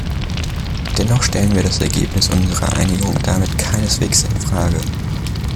Dennoch stellen wir das Ergebnis unserer Einigung damit keineswegs in Frage.